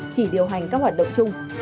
chỉ điều hành các hoạt động chung